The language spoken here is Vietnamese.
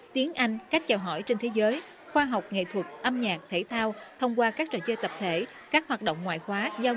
tiếng anh các chào hỏi trên thế giới khoa học nghệ thuật âm nhạc thể thao